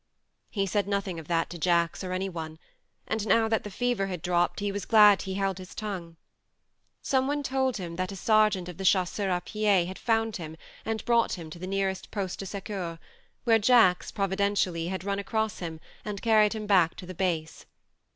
He said nothing of that to Jacks or any one, and now that the fever had dropped he was glad he had held his THE MARNE 137 tongue. Some one told him that a sergeant of the chasseurs a pied had found him and brought him in to the nearest paste de secours, where Jacks, providentially, had run across him and carried him back to the base.